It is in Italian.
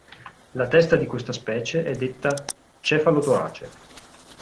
La testa di questa specie è detta "cefalotorace".